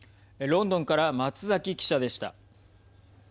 ロンドンから松崎記者でした。